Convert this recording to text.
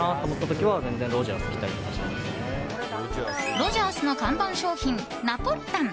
ロヂャースの看板商品ナポリタン。